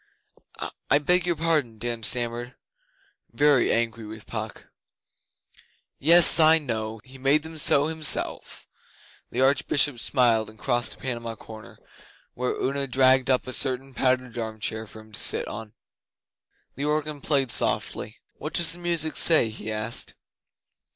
'I beg your pardon,' Dan stammered very angry with Puck. 'Yes, I know! He made them so Himself.' The Archbishop smiled, and crossed to Panama Corner, where Una dragged up a certain padded arm chair for him to sit on. The organ played softly. 'What does that music say?' he asked.